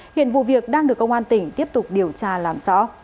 hiện vụ việc đang được công an tỉnh tiếp tục điều tra